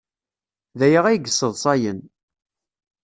D aya ay yesseḍsayen.